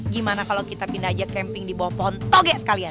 gimana kalau kita pindah aja camping di bawah pohon togek sekalian